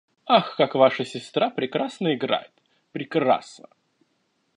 «Ах, как ваша сестра прекрасно играет!» Прекрасно!